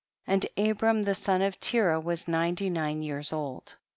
16. And Abram the son of Terah was then ninety nine years old.